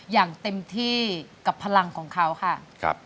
อย่างเต็มที่กับพลังของเขาค่ะ